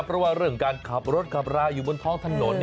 เพราะว่าเรื่องการขับรถขับราอยู่บนท้องถนน